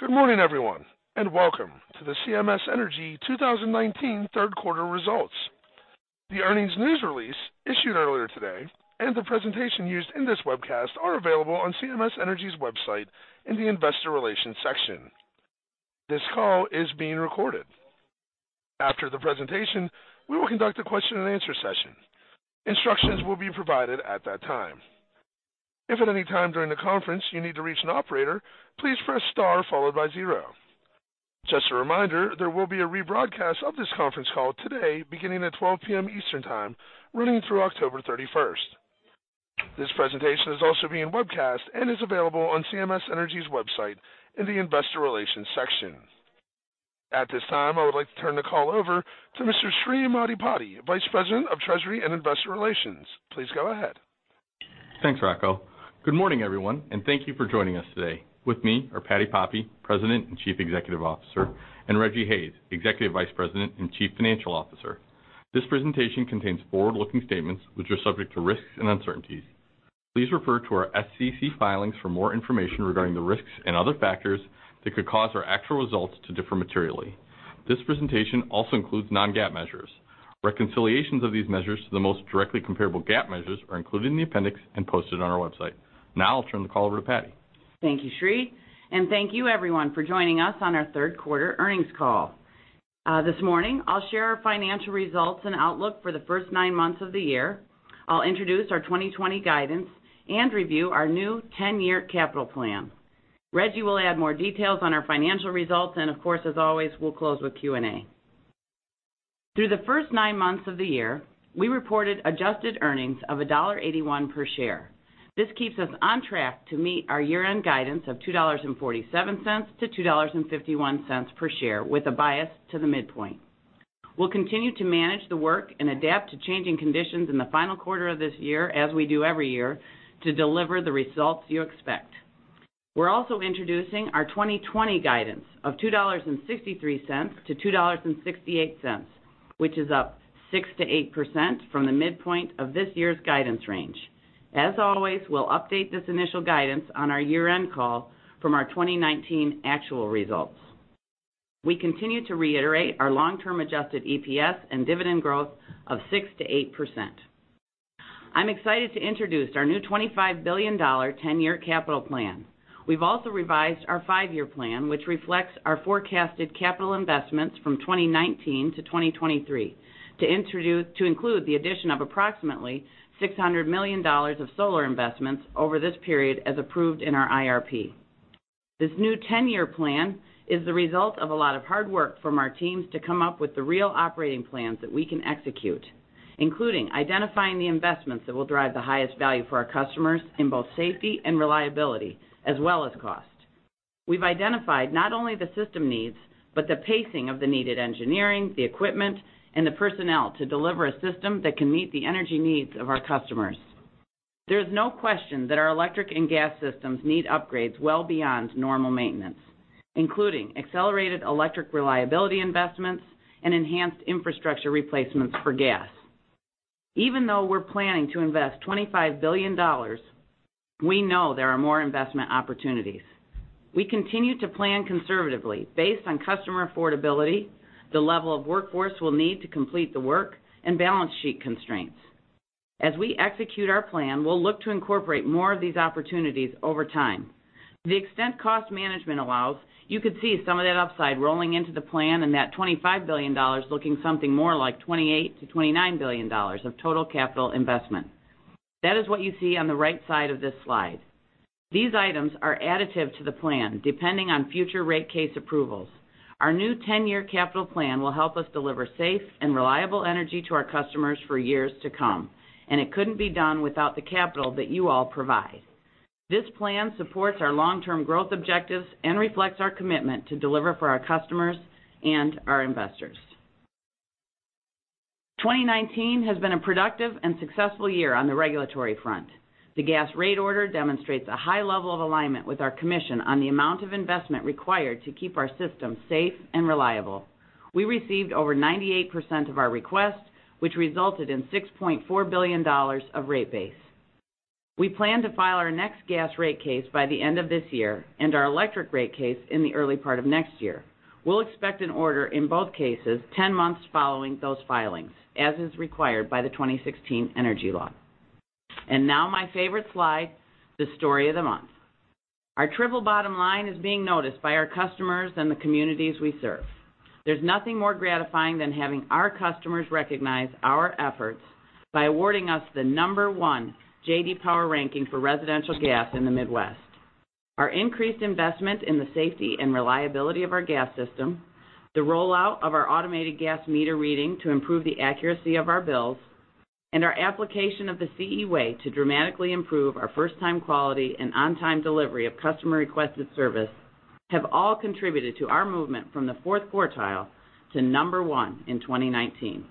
Good morning, everyone, and welcome to the CMS Energy 2019 third quarter results. The earnings news release issued earlier today and the presentation used in this webcast are available on CMS Energy's website in the investor relations section. This call is being recorded. After the presentation, we will conduct a question and answer session. Instructions will be provided at that time. If at any time during the conference you need to reach an operator, please press star followed by zero. Just a reminder, there will be a rebroadcast of this conference call today beginning at 12:00 PM Eastern Time, running through October 31st. This presentation is also being webcast and is available on CMS Energy's website in the investor relations section. At this time, I would like to turn the call over to Mr. Srikanth Maddipati, Vice President of Treasury and Investor Relations. Please go ahead. Thanks, Rocco. Good morning, everyone, and thank you for joining us today. With me are Patti Poppe, President and Chief Executive Officer, and Rejji Hayes, Executive Vice President and Chief Financial Officer. This presentation contains forward-looking statements, which are subject to risks and uncertainties. Please refer to our SEC filings for more information regarding the risks and other factors that could cause our actual results to differ materially. This presentation also includes non-GAAP measures. Reconciliations of these measures to the most directly comparable GAAP measures are included in the appendix and posted on our website. I'll turn the call over to Patti. Thank you, Sri, thank you everyone for joining us on our third quarter earnings call. This morning, I'll share our financial results and outlook for the first nine months of the year. I'll introduce our 2020 guidance and review our new 10-year capital plan. Rejji will add more details on our financial results. Of course, as always, we'll close with Q&A. Through the first nine months of the year, we reported adjusted earnings of $1.81 per share. This keeps us on track to meet our year-end guidance of $2.47 to $2.51 per share with a bias to the midpoint. We'll continue to manage the work and adapt to changing conditions in the final quarter of this year as we do every year to deliver the results you expect. We're also introducing our 2020 guidance of $2.63 to $2.68, which is up 6% to 8% from the midpoint of this year's guidance range. As always, we'll update this initial guidance on our year-end call from our 2019 actual results. We continue to reiterate our long-term adjusted EPS and dividend growth of 6% to 8%. I'm excited to introduce our new $25 billion 10-year capital plan. We've also revised our five-year plan, which reflects our forecasted capital investments from 2019 to 2023 to include the addition of approximately $600 million of solar investments over this period as approved in our IRP. This new 10-year plan is the result of a lot of hard work from our teams to come up with the real operating plans that we can execute, including identifying the investments that will drive the highest value for our customers in both safety and reliability, as well as cost. We've identified not only the system needs, but the pacing of the needed engineering, the equipment, and the personnel to deliver a system that can meet the energy needs of our customers. There is no question that our electric and gas systems need upgrades well beyond normal maintenance, including accelerated electric reliability investments and enhanced infrastructure replacements for gas. Even though we're planning to invest $25 billion, we know there are more investment opportunities. We continue to plan conservatively based on customer affordability, the level of workforce we'll need to complete the work, and balance sheet constraints. As we execute our plan, we'll look to incorporate more of these opportunities over time. To the extent cost management allows, you could see some of that upside rolling into the plan and that $25 billion looking something more like $28 billion to $29 billion of total capital investment. That is what you see on the right side of this slide. These items are additive to the plan, depending on future rate case approvals. Our new 10-year capital plan will help us deliver safe and reliable energy to our customers for years to come, and it couldn't be done without the capital that you all provide. This plan supports our long-term growth objectives and reflects our commitment to deliver for our customers and our investors. 2019 has been a productive and successful year on the regulatory front. The gas rate order demonstrates a high level of alignment with our commission on the amount of investment required to keep our system safe and reliable. We received over 98% of our request, which resulted in $6.4 billion of rate base. We plan to file our next gas rate case by the end of this year and our electric rate case in the early part of next year. We'll expect an order in both cases 10 months following those filings, as is required by the 2016 Energy Law. Now my favorite slide, the story of the month. Our triple bottom line is being noticed by our customers and the communities we serve. There's nothing more gratifying than having our customers recognize our efforts by awarding us the number one J.D. Power ranking for residential gas in the Midwest. Our increased investment in the safety and reliability of our gas system, the rollout of our automated gas meter reading to improve the accuracy of our bills, and our application of the CE Way to dramatically improve our first-time quality and on-time delivery of customer-requested service have all contributed to our movement from the fourth quartile to number one in 2019.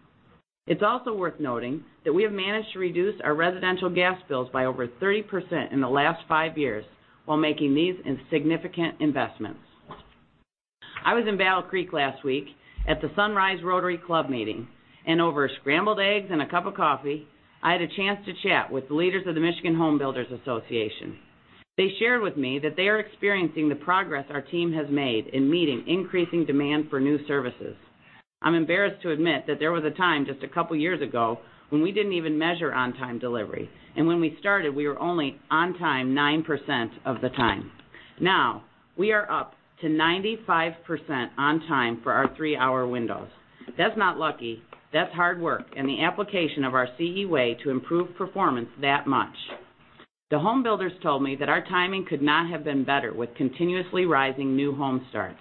It's also worth noting that we have managed to reduce our residential gas bills by over 30% in the last five years while making these significant investments. I was in Battle Creek last week at the Sunrise Rotary Club meeting, and over scrambled eggs and a cup of coffee, I had a chance to chat with the leaders of the Michigan Home Builders Association. They shared with me that they are experiencing the progress our team has made in meeting increasing demand for new services. I'm embarrassed to admit that there was a time just a couple of years ago when we didn't even measure on-time delivery, and when we started, we were only on time 9% of the time. Now, we are up to 95% on time for our three-hour windows. That's not lucky. That's hard work and the application of our CE Way to improve performance that much. The Home Builders told me that our timing could not have been better with continuously rising new home starts.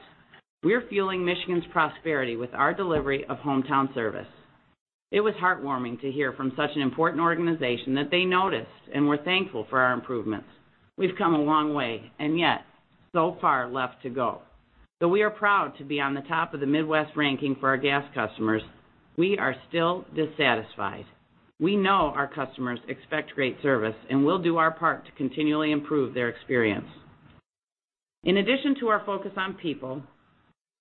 We're fueling Michigan's prosperity with our delivery of hometown service. It was heartwarming to hear from such an important organization that they noticed and we're thankful for our improvements. We've come a long way, and yet so far left to go. Though we are proud to be on the top of the Midwest ranking for our gas customers, we are still dissatisfied. We know our customers expect great service and will do our part to continually improve their experience. In addition to our focus on people,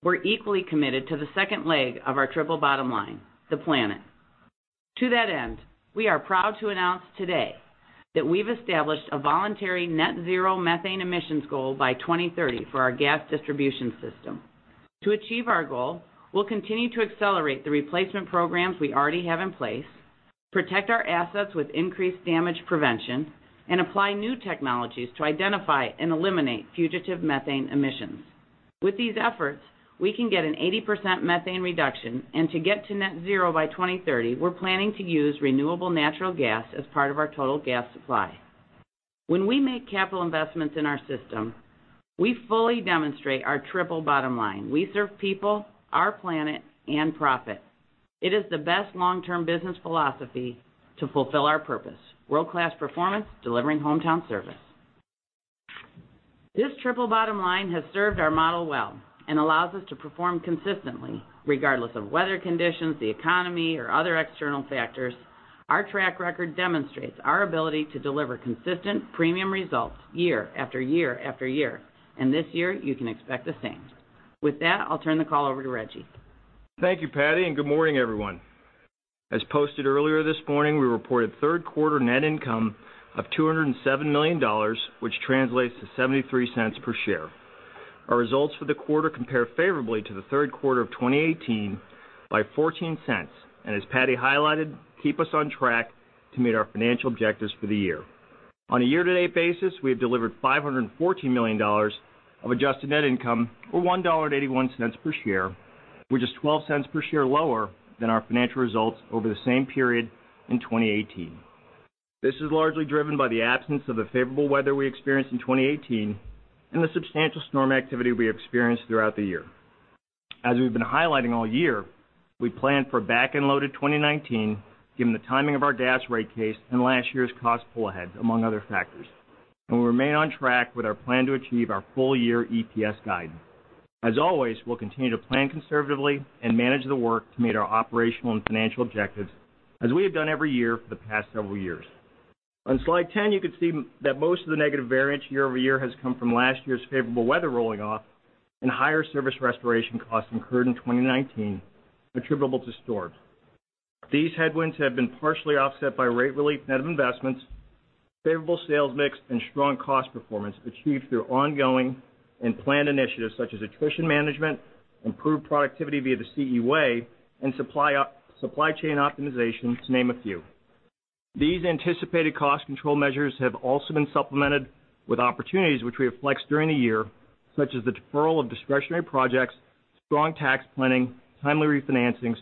we're equally committed to the second leg of our triple bottom line, the planet. To that end, we are proud to announce today that we've established a voluntary net zero methane emissions goal by 2030 for our gas distribution system. To achieve our goal, we'll continue to accelerate the replacement programs we already have in place, protect our assets with increased damage prevention, and apply new technologies to identify and eliminate fugitive methane emissions. With these efforts, we can get an 80% methane reduction, and to get to net zero by 2030, we're planning to use renewable natural gas as part of our total gas supply. When we make capital investments in our system, we fully demonstrate our triple bottom line. We serve people, our planet, and profit. It is the best long-term business philosophy to fulfill our purpose, world-class performance, delivering hometown service. This triple bottom line has served our model well and allows us to perform consistently regardless of weather conditions, the economy, or other external factors. This year you can expect the same. With that, I'll turn the call over to Rejji. Thank you, Patti. Good morning, everyone. As posted earlier this morning, we reported third quarter net income of $207 million, which translates to $0.73 per share. Our results for the quarter compare favorably to the third quarter of 2018 by $0.14, and as Patti highlighted, keep us on track to meet our financial objectives for the year. On a year-to-date basis, we have delivered $514 million of adjusted net income or $1.81 per share, which is $0.12 per share lower than our financial results over the same period in 2018. This is largely driven by the absence of the favorable weather we experienced in 2018 and the substantial storm activity we experienced throughout the year. As we've been highlighting all year, we plan for back-end loaded 2019 given the timing of our gas rate case and last year's cost pull ahead, among other factors. We remain on track with our plan to achieve our full year EPS guide. As always, we'll continue to plan conservatively and manage the work to meet our operational and financial objectives as we have done every year for the past several years. On slide 10, you can see that most of the negative variance year-over-year has come from last year's favorable weather rolling off and higher service restoration costs incurred in 2019 attributable to storms. These headwinds have been partially offset by rate relief net of investments, favorable sales mix, and strong cost performance achieved through ongoing and planned initiatives such as attrition management, improved productivity via the CE Way, and supply chain optimization to name a few. These anticipated cost control measures have also been supplemented with opportunities which we have flexed during the year, such as the deferral of discretionary projects, strong tax planning, timely refinancings,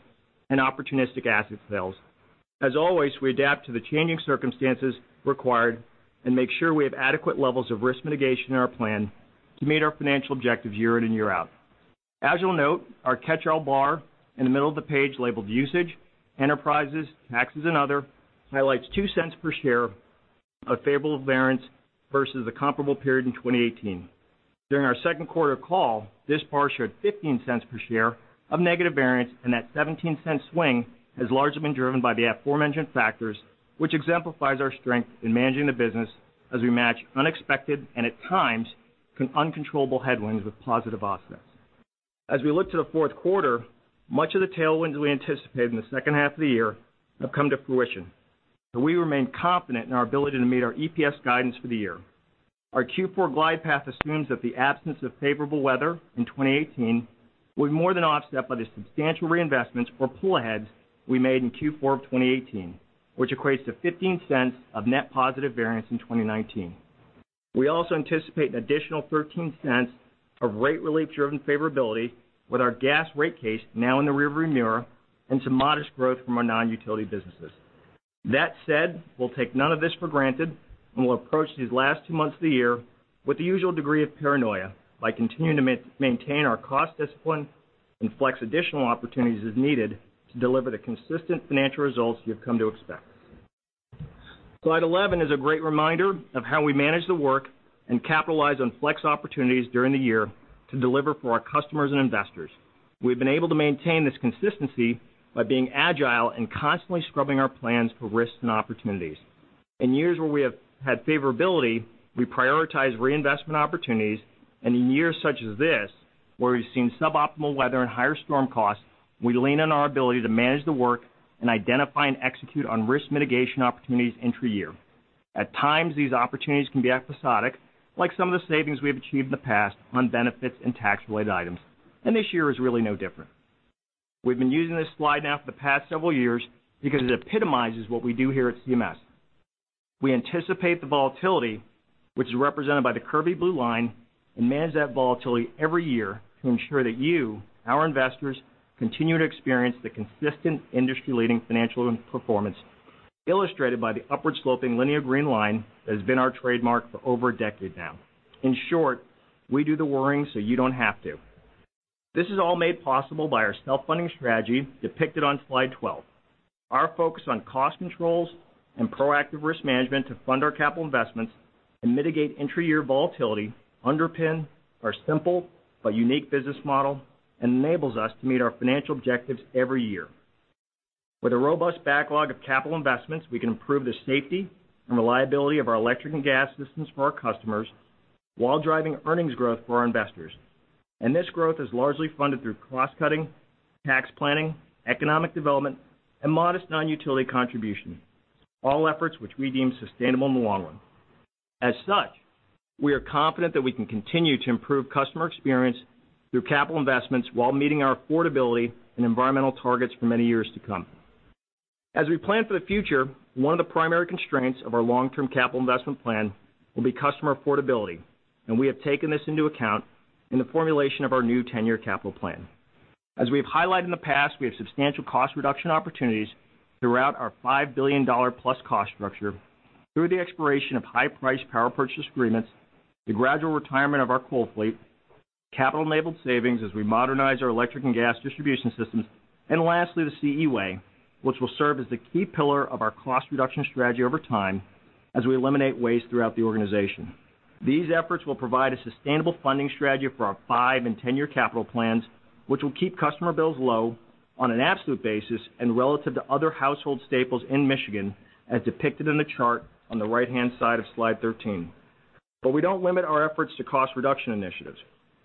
and opportunistic asset sales. Always, we adapt to the changing circumstances required and make sure we have adequate levels of risk mitigation in our plan to meet our financial objectives year in and year out. You'll note, our catch-all bar in the middle of the page labeled Usage, Enterprises, Taxes, and Other, highlights $0.02 per share of favorable variance versus the comparable period in 2018. During our second quarter call, this bar showed $0.15 per share of negative variance, that $0.17 swing has largely been driven by the aforementioned factors, which exemplifies our strength in managing the business as we match unexpected and at times, uncontrollable headwinds with positive offsets. As we look to the fourth quarter, much of the tailwinds we anticipate in the second half of the year have come to fruition, so we remain confident in our ability to meet our EPS guidance for the year. Our Q4 glide path assumes that the absence of favorable weather in 2018 will be more than offset by the substantial reinvestments or pull aheads we made in Q4 of 2018, which equates to $0.15 of net positive variance in 2019. We also anticipate an additional $0.13 of rate relief-driven favorability with our gas rate case now in the rearview mirror and some modest growth from our non-utility businesses. That said, we'll take none of this for granted. We'll approach these last two months of the year with the usual degree of paranoia by continuing to maintain our cost discipline and flex additional opportunities as needed to deliver the consistent financial results you've come to expect. Slide 11 is a great reminder of how we manage the work and capitalize on flex opportunities during the year to deliver for our customers and investors. We've been able to maintain this consistency by being agile and constantly scrubbing our plans for risks and opportunities. In years where we have had favorability, we prioritize reinvestment opportunities. In years such as this, where we've seen suboptimal weather and higher storm costs, we lean on our ability to manage the work and identify and execute on risk mitigation opportunities intra-year. At times, these opportunities can be episodic, like some of the savings we have achieved in the past on benefits and tax-related items, and this year is really no different. We've been using this slide now for the past several years because it epitomizes what we do here at CMS. We anticipate the volatility, which is represented by the curvy blue line, and manage that volatility every year to ensure that you, our investors, continue to experience the consistent industry-leading financial performance illustrated by the upward-sloping linear green line that has been our trademark for over a decade now. In short, we do the worrying so you don't have to. This is all made possible by our self-funding strategy depicted on slide 12. Our focus on cost controls and proactive risk management to fund our capital investments and mitigate intra-year volatility underpin our simple but unique business model and enables us to meet our financial objectives every year. With a robust backlog of capital investments, we can improve the safety and reliability of our electric and gas systems for our customers while driving earnings growth for our investors. This growth is largely funded through cost-cutting, tax planning, economic development, and modest non-utility contribution, all efforts which we deem sustainable in the long run. As such, we are confident that we can continue to improve customer experience through capital investments while meeting our affordability and environmental targets for many years to come. As we plan for the future, one of the primary constraints of our long-term capital investment plan will be customer affordability. We have taken this into account in the formulation of our new 10-year capital plan. As we have highlighted in the past, we have substantial cost reduction opportunities throughout our $5 billion-plus cost structure through the expiration of high-priced Power Purchase Agreements, the gradual retirement of our coal fleet, capital-enabled savings as we modernize our electric and gas distribution systems. Lastly, the CE Way, which will serve as the key pillar of our cost reduction strategy over time as we eliminate waste throughout the organization. These efforts will provide a sustainable funding strategy for our five and 10-year capital plans, which will keep customer bills low on an absolute basis and relative to other household staples in Michigan, as depicted in the chart on the right-hand side of slide 13. We don't limit our efforts to cost reduction initiatives.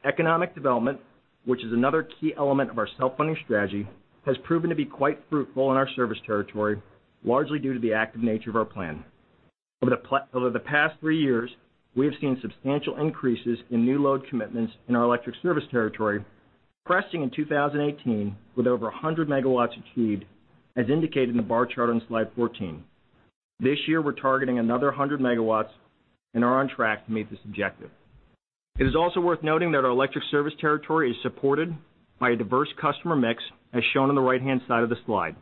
Economic development, which is another key element of our self-funding strategy, has proven to be quite fruitful in our service territory, largely due to the active nature of our plan. Over the past three years, we have seen substantial increases in new load commitments in our electric service territory, cresting in 2018 with over 100 megawatts achieved, as indicated in the bar chart on slide 14. This year, we're targeting another 100 megawatts and are on track to meet this objective. It is also worth noting that our electric service territory is supported by a diverse customer mix, as shown on the right-hand side of the slide.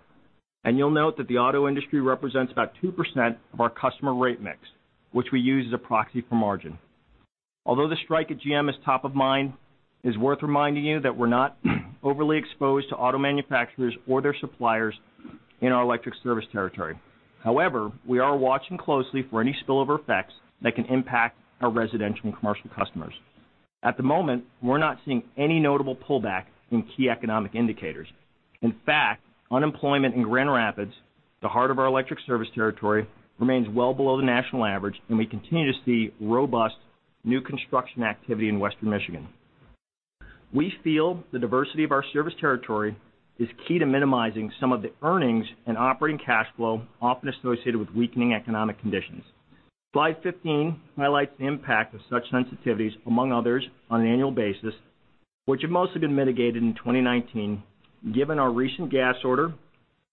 You'll note that the auto industry represents about 2% of our customer rate mix, which we use as a proxy for margin. Although the strike at GM is top of mind, it is worth reminding you that we're not overly exposed to auto manufacturers or their suppliers in our electric service territory. However, we are watching closely for any spillover effects that can impact our residential and commercial customers. At the moment, we're not seeing any notable pullback in key economic indicators. In fact, unemployment in Grand Rapids, the heart of our electric service territory, remains well below the national average, and we continue to see robust new construction activity in Western Michigan. We feel the diversity of our service territory is key to minimizing some of the earnings and operating cash flow often associated with weakening economic conditions. Slide 15 highlights the impact of such sensitivities, among others, on an annual basis, which have mostly been mitigated in 2019, given our recent gas order,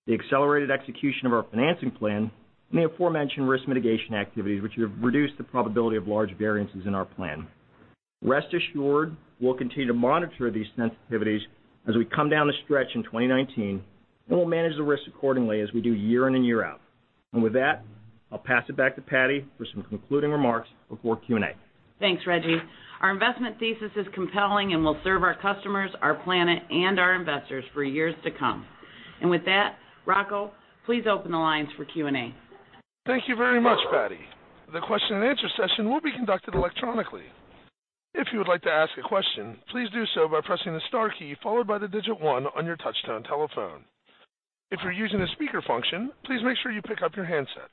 the accelerated execution of our financing plan, and the aforementioned risk mitigation activities, which have reduced the probability of large variances in our plan. Rest assured, we'll continue to monitor these sensitivities as we come down the stretch in 2019, and we'll manage the risk accordingly as we do year in and year out. With that, I'll pass it back to Patti for some concluding remarks before Q&A. Thanks, Rejji. Our investment thesis is compelling and will serve our customers, our planet, and our investors for years to come. With that, Rocco, please open the lines for Q&A. Thank you very much, Patti. The question and answer session will be conducted electronically. If you would like to ask a question, please do so by pressing the star key followed by the digit 1 on your touchtone telephone. If you're using the speaker function, please make sure you pick up your handset.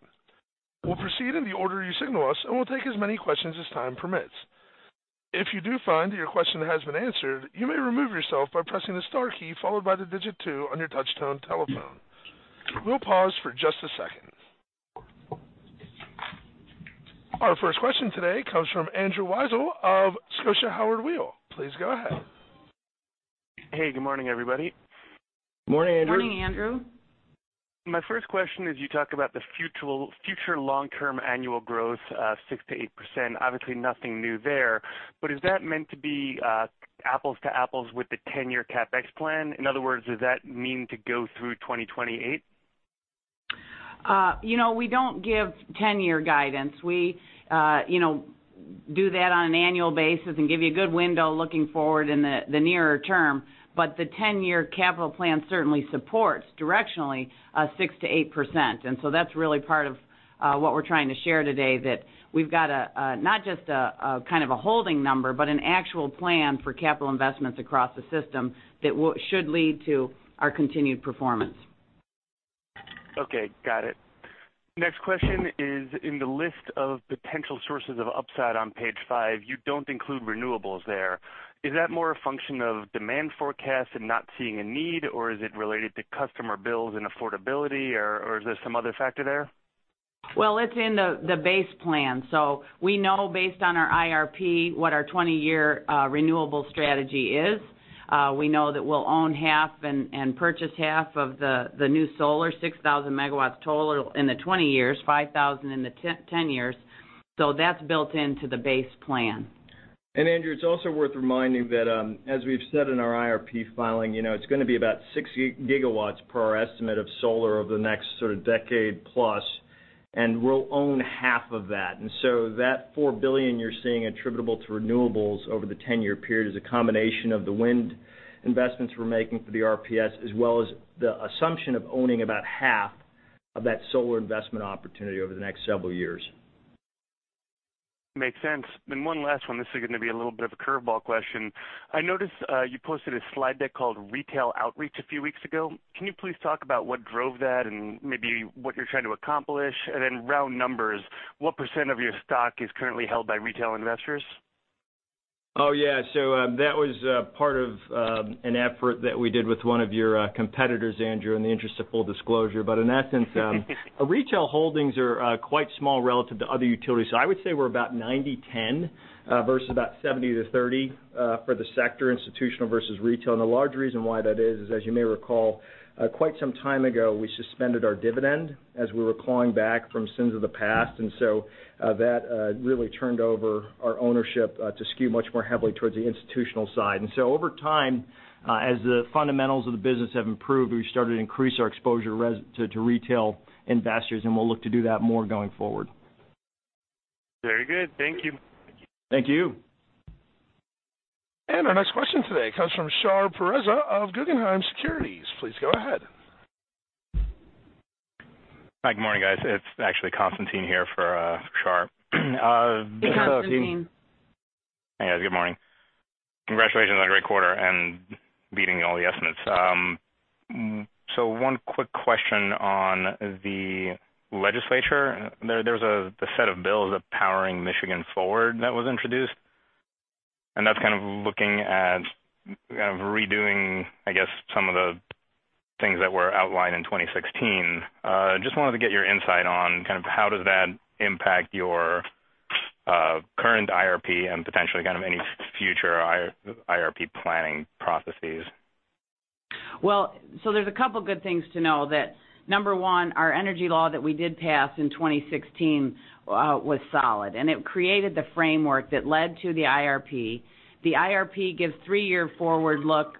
We'll proceed in the order you signal us, and we'll take as many questions as time permits. If you do find that your question has been answered, you may remove yourself by pressing the star key followed by the digit 2 on your touchtone telephone. We'll pause for just a second. Our first question today comes from Andrew Weisel of Scotiabank Howard Weil. Please go ahead. Hey, good morning, everybody. Morning, Andrew. Morning, Andrew. My first question is, you talk about the future long-term annual growth, 6%-8%, obviously nothing new there. Is that meant to be apples to apples with the 10-year CapEx plan? In other words, does that mean to go through 2028? We don't give 10-year guidance. We do that on an annual basis and give you a good window looking forward in the nearer term. The 10-year capital plan certainly supports directionally 6%-8%. That's really part of what we're trying to share today, that we've got not just a kind of a holding number, but an actual plan for capital investments across the system that should lead to our continued performance. Okay, got it. Next question is: in the list of potential sources of upside on page five, you don't include renewables there. Is that more a function of demand forecast and not seeing a need, or is it related to customer bills and affordability, or is there some other factor there? Well, it's in the base plan. We know based on our IRP, what our 20-year renewable strategy is. We know that we'll own half and purchase half of the new solar, 6,000 megawatts total in the 20 years, 5,000 in the 10 years. That's built into the base plan. Andrew, it's also worth reminding that, as we've said in our IRP filing, it's going to be about six gigawatts per our estimate of solar over the next sort of decade plus, and we'll own half of that. That $4 billion you're seeing attributable to renewables over the 10-year period is a combination of the wind investments we're making for the RPS, as well as the assumption of owning about half of that solar investment opportunity over the next several years. Makes sense. One last one. This is going to be a little bit of a curveball question. I noticed you posted a slide deck called Retail Outreach a few weeks ago. Can you please talk about what drove that and maybe what you're trying to accomplish? Round numbers, what % of your stock is currently held by retail investors? Oh, yeah. That was part of an effort that we did with one of your competitors, Andrew, in the interest of full disclosure. Our retail holdings are quite small relative to other utilities. I would say we're about 90/10 versus about 70 to 30 for the sector, institutional versus retail. The large reason why that is, as you may recall, quite some time ago, we suspended our dividend as we were clawing back from sins of the past. That really turned over our ownership to skew much more heavily towards the institutional side. Over time, as the fundamentals of the business have improved, we've started to increase our exposure to retail investors, and we'll look to do that more going forward. Very good. Thank you. Thank you. Our next question today comes from Shar Pourreza of Guggenheim Securities. Please go ahead. Hi, good morning, guys. It's actually Constantine here for Shar. Hey, Constantine. Hey, Constantine. Hey, guys. Good morning. Congratulations on a great quarter and beating all the estimates. One quick question on the legislature. There's a set of bills, a Powering Michigan Forward, that was introduced, and that's kind of looking at redoing, I guess, some of the things that were outlined in 2016. Just wanted to get your insight on how does that impact your current IRP and potentially any future IRP planning processes. There's a couple good things to know that number one, our 2016 Energy Law that we did pass in 2016 was solid, and it created the framework that led to the IRP. The IRP gives three-year forward look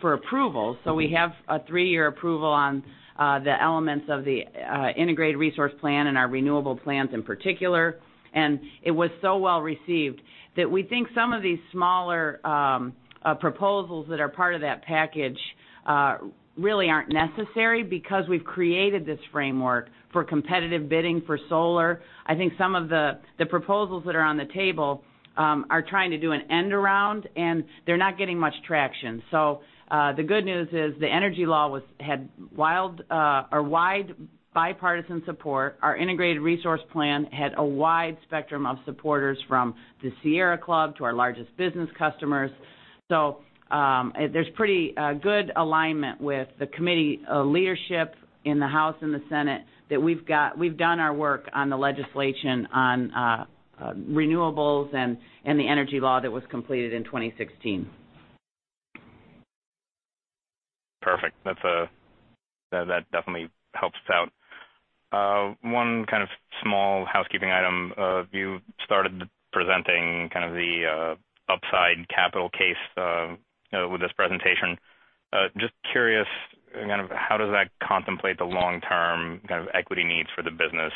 for approval. We have a three-year approval on the elements of the Integrated Resource Plan and our renewable plans in particular. It was so well-received that we think some of these smaller proposals that are part of that package really aren't necessary because we've created this framework for competitive bidding for solar. I think some of the proposals that are on the table are trying to do an end-around, and they're not getting much traction. The good news is the 2016 Energy Law had wide bipartisan support. Our Integrated Resource Plan had a wide spectrum of supporters, from the Sierra Club to our largest business customers. There's pretty good alignment with the committee leadership in the House and the Senate that we've done our work on the legislation on renewables and the Energy Law that was completed in 2016. Perfect. That definitely helps out. One kind of small housekeeping item. You started presenting kind of the upside capital case with this presentation. Just curious, how does that contemplate the long-term equity needs for the business?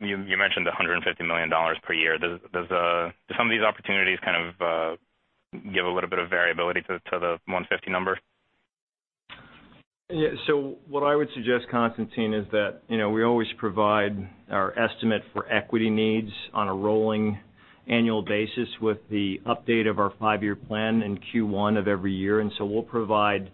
You mentioned the $150 million per year. Does some of these opportunities give a little bit of variability to the 150 number? What I would suggest, Constantine, is that we always provide our estimate for equity needs on a rolling annual basis with the update of our five-year plan in Q1 of every year. We'll provide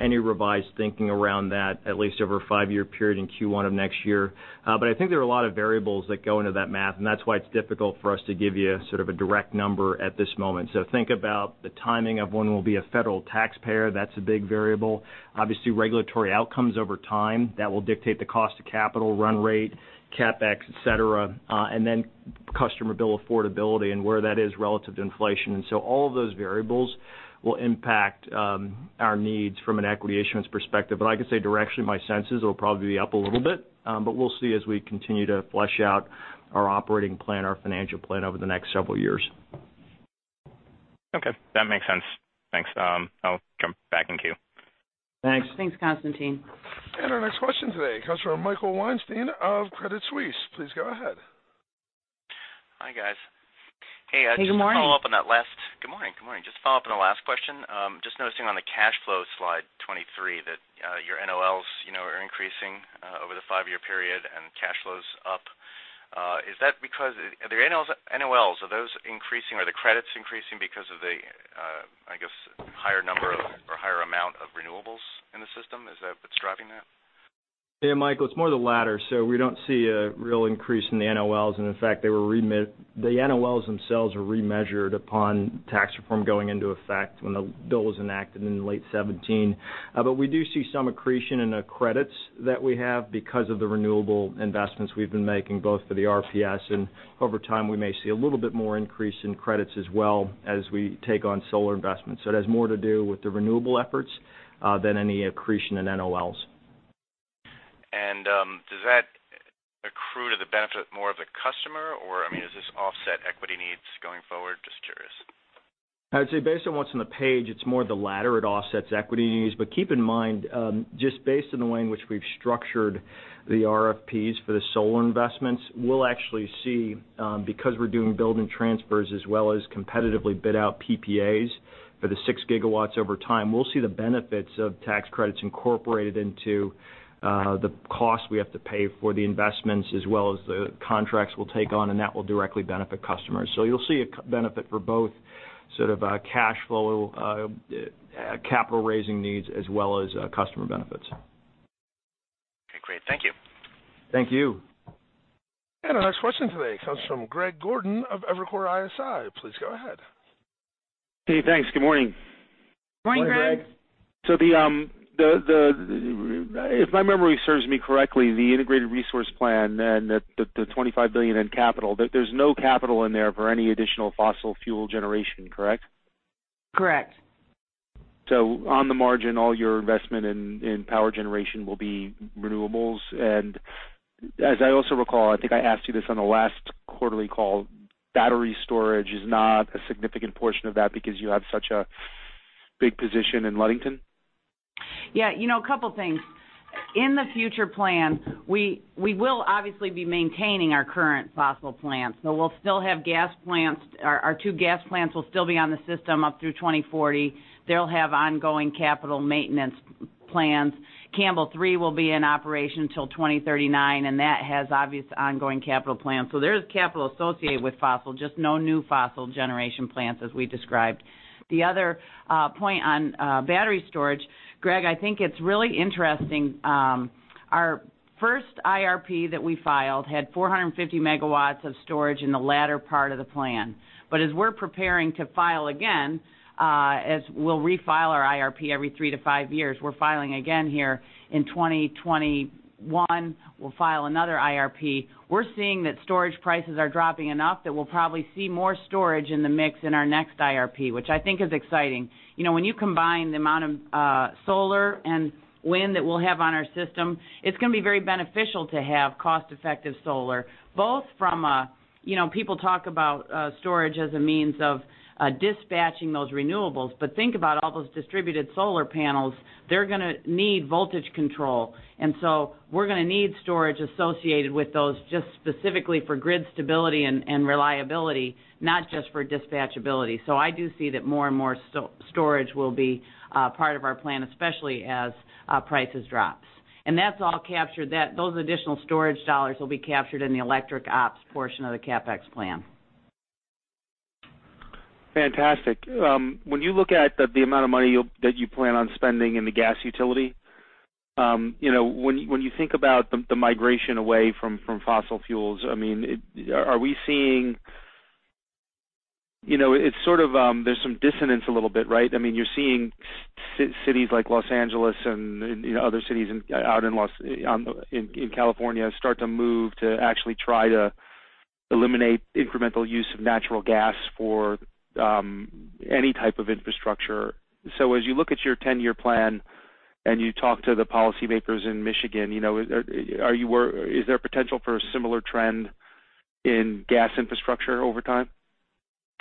any revised thinking around that at least over a five-year period in Q1 of next year. I think there are a lot of variables that go into that math, and that's why it's difficult for us to give you sort of a direct number at this moment. Think about the timing of when we'll be a federal taxpayer, that's a big variable. Obviously, regulatory outcomes over time, that will dictate the cost of capital, run rate, CapEx, et cetera, and then customer bill affordability and where that is relative to inflation. All of those variables will impact our needs from an equity issuance perspective. I can say directionally, my sense is it'll probably be up a little bit, but we'll see as we continue to flesh out our operating plan, our financial plan over the next several years. Okay. That makes sense. Thanks. I'll jump back in queue. Thanks. Thanks, Constantine. Our next question today comes from Michael Weinstein of Credit Suisse. Please go ahead. Hi, guys. Hey, good morning. Good morning. Just follow up on the last question. Just noticing on the cash flow slide 23, that your NOLs are increasing. Over the five-year period and cash flow's up. Is that because, the NOLs, are those increasing, are the credits increasing because of the, I guess, higher number of or higher amount of renewables in the system? Is that what's driving that? Yeah, Michael, it's more the latter. We don't see a real increase in the NOLs. In fact, the NOLs themselves were remeasured upon tax reform going into effect when the bill was enacted in late 2017. We do see some accretion in the credits that we have because of the renewable investments we've been making both for the RPS, and over time, we may see a little bit more increase in credits as well as we take on solar investments. It has more to do with the renewable efforts, than any accretion in NOLs. Does that accrue to the benefit more of the customer or, I mean, does this offset equity needs going forward? Just curious. I would say based on what's on the page, it's more the latter. It offsets equity needs. Keep in mind, just based on the way in which we've structured the RFPs for the solar investments, we'll actually see, because we're doing build and transfers as well as competitively bid out PPAs for the six gigawatts over time, we'll see the benefits of tax credits incorporated into the cost we have to pay for the investments as well as the contracts we'll take on, and that will directly benefit customers. You'll see a benefit for both sort of a cash flow, capital raising needs as well as customer benefits. Okay, great. Thank you. Thank you. Our next question today comes from Greg Gordon of Evercore ISI. Please go ahead. Hey, thanks. Good morning. Morning, Greg. Morning, Greg. If my memory serves me correctly, the Integrated Resource Plan and the $25 billion in capital, there's no capital in there for any additional fossil fuel generation, correct? Correct. On the margin, all your investment in power generation will be renewables. As I also recall, I think I asked you this on the last quarterly call, battery storage is not a significant portion of that because you have such a big position in Ludington? A couple things. In the future plan, we will obviously be maintaining our current fossil plants. We'll still have gas plants. Our two gas plants will still be on the system up through 2040. They'll have ongoing capital maintenance plans. Campbell three will be in operation till 2039, and that has obvious ongoing capital plans. There's capital associated with fossil, just no new fossil generation plants as we described. The other point on battery storage, Greg, I think it's really interesting. Our first IRP that we filed had 450 megawatts of storage in the latter part of the plan. As we're preparing to file again, as we'll refile our IRP every three to five years, we're filing again here in 2021. We'll file another IRP. We're seeing that storage prices are dropping enough that we'll probably see more storage in the mix in our next IRP, which I think is exciting. When you combine the amount of solar and wind that we'll have on our system, it's going to be very beneficial to have cost-effective solar, both from, people talk about storage as a means of dispatching those renewables, but think about all those distributed solar panels. They're going to need voltage control. We're going to need storage associated with those just specifically for grid stability and reliability, not just for dispatch ability. I do see that more and more storage will be part of our plan, especially as prices drops. That's all captured, those additional storage dollars will be captured in the electric ops portion of the CapEx plan. Fantastic. When you look at the amount of money that you plan on spending in the gas utility, when you think about the migration away from fossil fuels, I mean, there's some dissonance a little bit, right? I mean, you're seeing cities like Los Angeles and other cities out in California start to move to actually try to eliminate incremental use of natural gas for any type of infrastructure. As you look at your 10-year plan and you talk to the policymakers in Michigan, is there potential for a similar trend in gas infrastructure over time?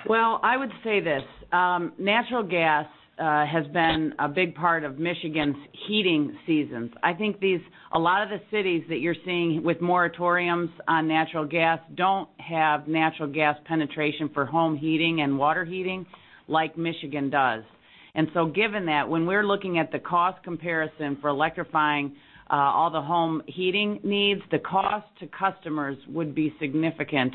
I would say this. Natural gas has been a big part of Michigan's heating seasons. I think a lot of the cities that you're seeing with moratoriums on natural gas don't have natural gas penetration for home heating and water heating like Michigan does. Given that, when we're looking at the cost comparison for electrifying all the home heating needs, the cost to customers would be significant.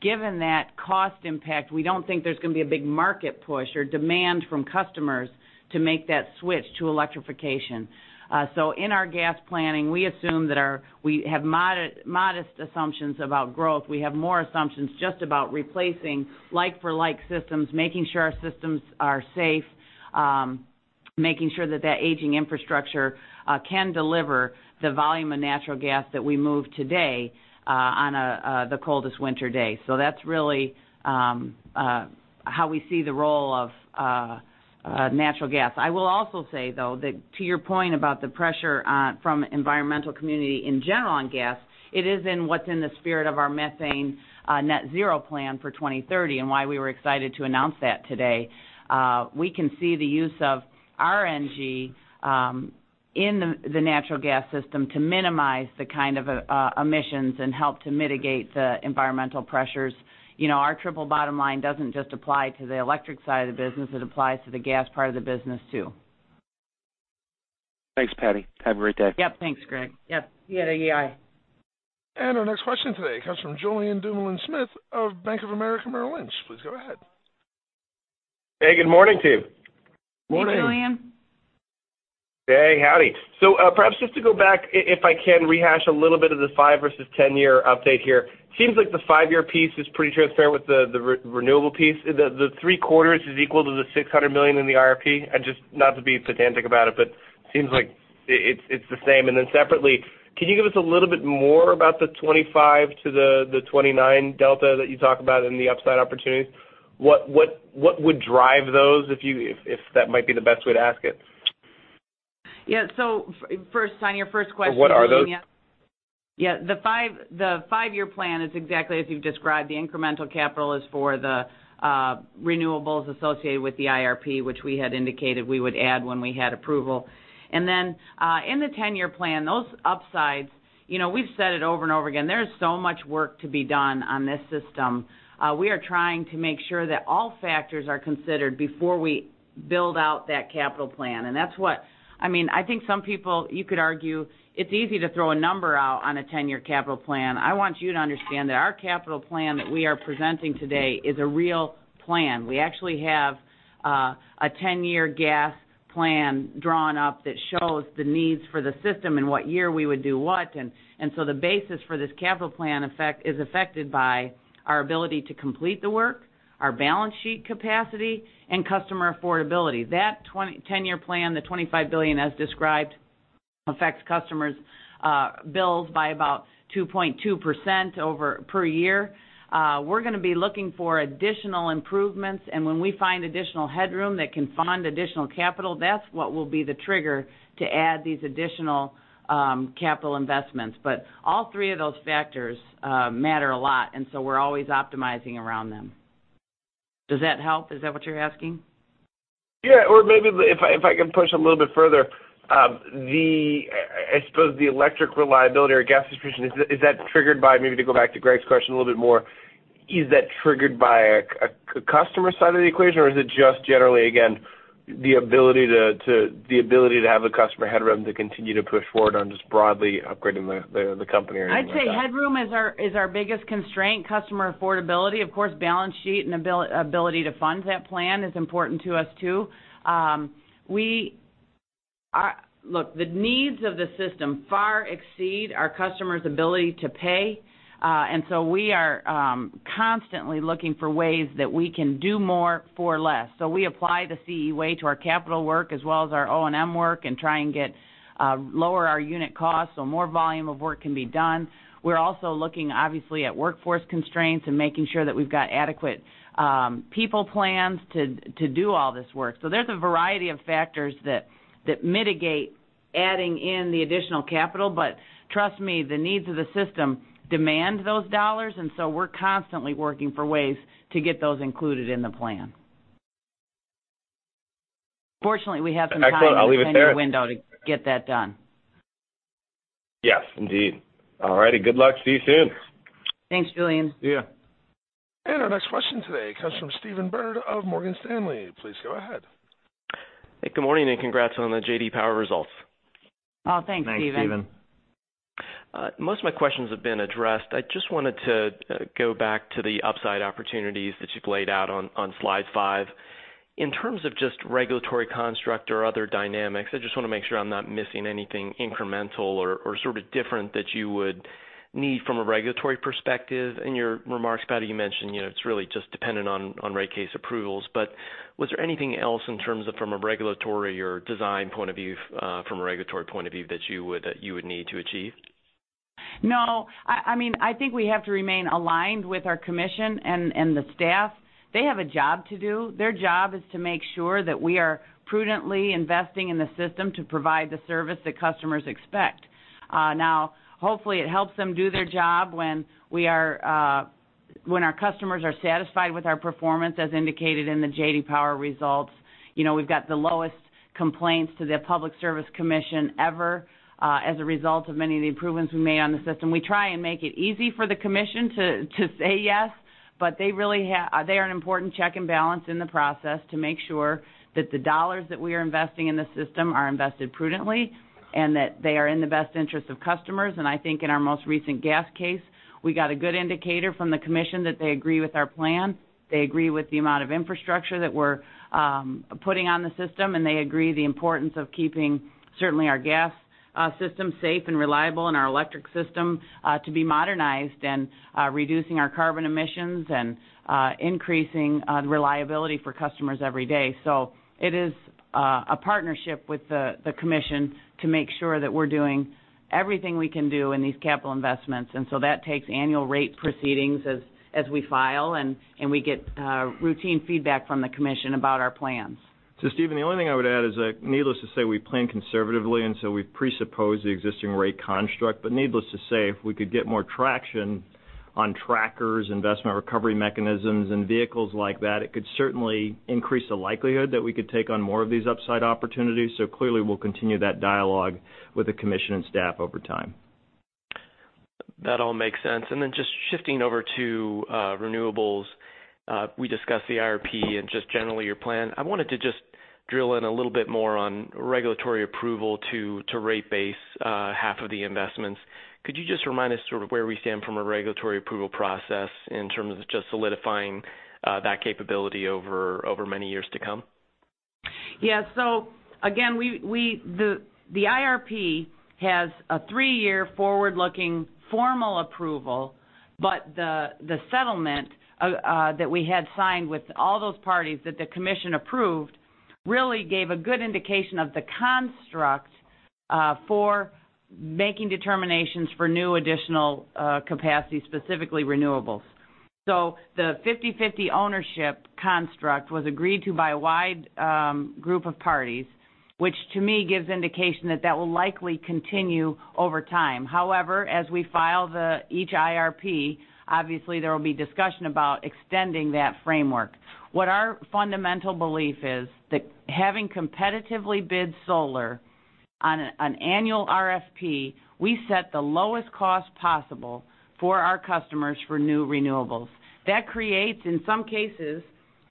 Given that cost impact, we don't think there's going to be a big market push or demand from customers to make that switch to electrification. In our gas planning, we assume that we have modest assumptions about growth. We have more assumptions just about replacing like-for-like systems, making sure our systems are safe, making sure that that aging infrastructure can deliver the volume of natural gas that we move today on the coldest winter day. That's really how we see the role of natural gas. I will also say, though, that to your point about the pressure from environmental community in general on gas, it is in what's in the spirit of our Methane Net Zero Plan for 2030 and why we were excited to announce that today. We can see the use of RNG in the natural gas system to minimize the kind of emissions and help to mitigate the environmental pressures. Our triple bottom line doesn't just apply to the electric side of the business. It applies to the gas part of the business, too. Thanks, Patti. Have a great day. Yep. Thanks, Greg. Yep. See you at EEI. Our next question today comes from Julien Dumoulin-Smith of Bank of America Merrill Lynch. Please go ahead. Hey, good morning to you. Morning. Hey, Julien. Hey, howdy. Perhaps just to go back, if I can rehash a little bit of the five versus 10-year update here, seems like the five-year piece is pretty transparent with the renewable piece. The three-quarters is equal to the $600 million in the IRP. Just not to be pedantic about it, but seems like it's the same. Then separately, can you give us a little bit more about the 25 to the 29 delta that you talk about in the upside opportunities? What would drive those if that might be the best way to ask it? Yeah. First, on your first question. What are those? The five-year plan is exactly as you've described. The incremental capital is for the renewables associated with the IRP, which we had indicated we would add when we had approval. In the 10-year plan, those upsides, we've said it over and over again, there's so much work to be done on this system. We are trying to make sure that all factors are considered before we build out that capital plan. I think some people, you could argue it's easy to throw a number out on a 10-year capital plan. I want you to understand that our capital plan that we are presenting today is a real plan. We actually have a 10-year gas plan drawn up that shows the needs for the system and what year we would do what. The basis for this capital plan is affected by our ability to complete the work, our balance sheet capacity, and customer affordability. That 10-year plan, the $25 billion as described, affects customers' bills by about 2.2% per year. We're going to be looking for additional improvements, and when we find additional headroom that can fund additional capital, that's what will be the trigger to add these additional capital investments. All three of those factors matter a lot, and so we're always optimizing around them. Does that help? Is that what you're asking? Yeah. Maybe if I can push a little bit further. I suppose the electric reliability or gas distribution, maybe to go back to Greg's question a little bit more, is that triggered by a customer side of the equation, or is it just generally, again, the ability to have the customer headroom to continue to push forward on just broadly upgrading the company or anything like that? I'd say headroom is our biggest constraint, customer affordability. Of course, balance sheet and ability to fund that plan is important to us, too. Look, the needs of the system far exceed our customers' ability to pay. We are constantly looking for ways that we can do more for less. We apply the CE Way to our capital work as well as our O&M work and try and lower our unit cost so more volume of work can be done. We're also looking obviously at workforce constraints and making sure that we've got adequate people plans to do all this work. There's a variety of factors that mitigate adding in the additional capital. Trust me, the needs of the system demand those dollars, and so we're constantly working for ways to get those included in the plan. Fortunately, we have some time. Excellent. I'll leave it there. in the 10-year window to get that done. Yes, indeed. All righty. Good luck. See you soon. Thanks, Julian. See you. Our next question today comes from Stephen Byrd of Morgan Stanley. Please go ahead. Hey, good morning, and congrats on the J.D. Power results. Oh, thanks, Stephen. Thanks, Stephen. Most of my questions have been addressed. I just wanted to go back to the upside opportunities that you've laid out on slide five. In terms of just regulatory construct or other dynamics, I just want to make sure I'm not missing anything incremental or sort of different that you would need from a regulatory perspective. In your remarks, Patti, you mentioned it's really just dependent on rate case approvals, but was there anything else in terms of from a regulatory or design point of view, from a regulatory point of view, that you would need to achieve? I think we have to remain aligned with our Commission and the staff. They have a job to do. Their job is to make sure that we are prudently investing in the system to provide the service that customers expect. Hopefully, it helps them do their job when our customers are satisfied with our performance, as indicated in the J.D. Power results. We've got the lowest complaints to the Public Service Commission ever as a result of many of the improvements we made on the system. We try and make it easy for the Commission to say yes, they are an important check and balance in the process to make sure that the dollars that we are investing in the system are invested prudently and that they are in the best interest of customers. I think in our most recent gas case, we got a good indicator from the commission that they agree with our plan. They agree with the amount of infrastructure that we're putting on the system, and they agree the importance of keeping certainly our gas system safe and reliable and our electric system to be modernized and reducing our carbon emissions and increasing reliability for customers every day. It is a partnership with the commission to make sure that we're doing everything we can do in these capital investments. That takes annual rate proceedings as we file, and we get routine feedback from the commission about our plans. Stephen, the only thing I would add is that needless to say, we plan conservatively, we presuppose the existing rate construct. Needless to say, if we could get more traction on trackers, investment recovery mechanisms, and vehicles like that, it could certainly increase the likelihood that we could take on more of these upside opportunities. Clearly, we'll continue that dialogue with the commission and staff over time. That all makes sense. Just shifting over to renewables. We discussed the IRP and just generally your plan. I wanted to just drill in a little bit more on regulatory approval to rate base half of the investments. Could you just remind us sort of where we stand from a regulatory approval process in terms of just solidifying that capability over many years to come? Again, the IRP has a three-year forward-looking formal approval, but the settlement that we had signed with all those parties that the commission approved really gave a good indication of the construct for making determinations for new additional capacity, specifically renewables. The 50/50 ownership construct was agreed to by a wide group of parties, which to me gives indication that that will likely continue over time. However, as we file each IRP, obviously there will be discussion about extending that framework. What our fundamental belief is that having competitively bid solar on an annual RFP, we set the lowest cost possible for our customers for new renewables. That creates, in some cases,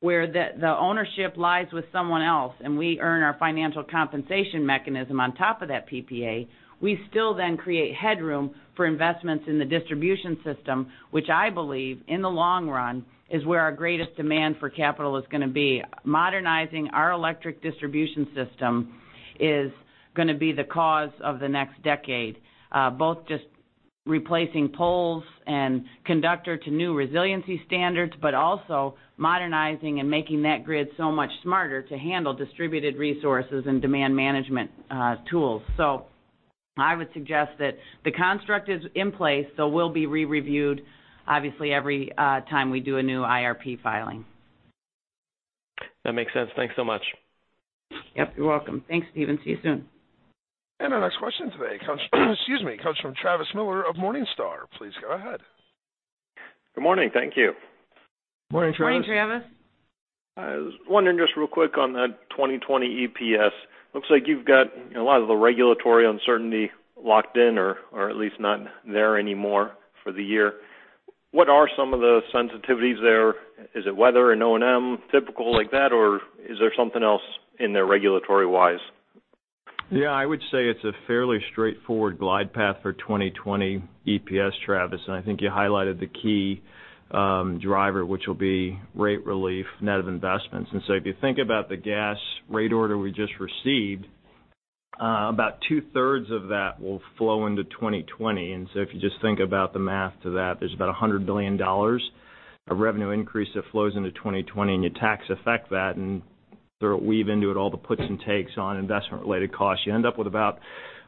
where the ownership lies with someone else, and we earn our financial compensation mechanism on top of that PPA. We still create headroom for investments in the distribution system, which I believe in the long run is where our greatest demand for capital is going to be. Modernizing our electric distribution system is going to be the cause of the next decade, both just replacing poles and conductor to new resiliency standards, but also modernizing and making that grid so much smarter to handle distributed resources and demand management tools. I would suggest that the construct is in place, we'll be re-reviewed obviously every time we do a new IRP filing. That makes sense. Thanks so much. Yep, you're welcome. Thanks, Stephen. See you soon. Our next question today excuse me, comes from Travis Miller of Morningstar. Please go ahead. Good morning. Thank you. Morning, Travis. Morning, Travis. I was wondering just real quick on that 2020 EPS. Looks like you've got a lot of the regulatory uncertainty locked in, or at least not there anymore for the year. What are some of the sensitivities there? Is it weather and O&M typical like that, or is there something else in there regulatory-wise? Yeah, I would say it's a fairly straightforward glide path for 2020 EPS, Travis, I think you highlighted the key driver, which will be rate relief, net of investments. If you think about the gas rate order we just received, about two-thirds of that will flow into 2020. If you just think about the math to that, there's about $100 billion of revenue increase that flows into 2020, you tax affect that, sort of weave into it all the puts and takes on investment-related costs. You end up with about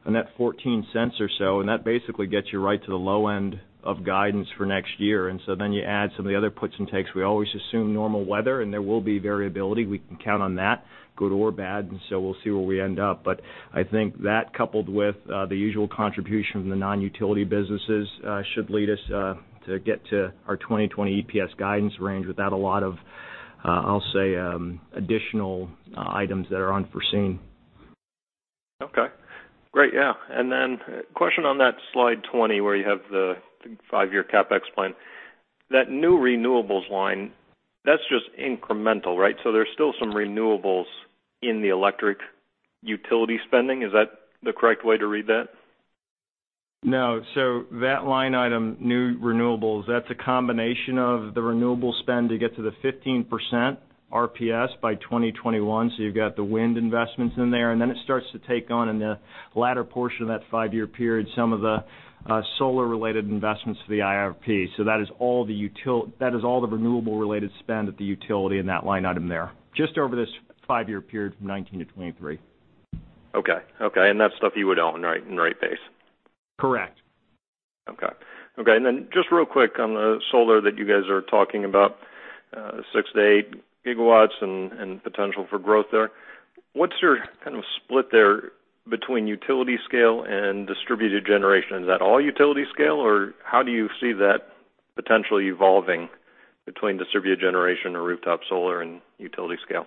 a net $0.14 or so, that basically gets you right to the low end of guidance for next year. You add some of the other puts and takes. We always assume normal weather, there will be variability. We can count on that, good or bad. We'll see where we end up. I think that coupled with the usual contribution from the non-utility businesses should lead us to get to our 2020 EPS guidance range without a lot of, I'll say additional items that are unforeseen. Okay, great. Yeah. Question on that slide 20, where you have the five-year CapEx plan. That new renewables line, that's just incremental, right? There's still some renewables in the electric utility spending. Is that the correct way to read that? No. That line item, new renewables, that's a combination of the renewable spend to get to the 15% RPS by 2021. You've got the wind investments in there, and then it starts to take on in the latter portion of that five-year period, some of the solar-related investments for the IRP. That is all the renewable-related spend at the utility in that line item there, just over this five-year period from 2019 to 2023. Okay. That's stuff you would own, right, in rate base? Correct. Okay. Just real quick on the solar that you guys are talking about, six to eight gigawatts and potential for growth there. What's your kind of split there between utility scale and distributed generation? Is that all utility scale, or how do you see that potentially evolving between distributed generation or rooftop solar and utility scale?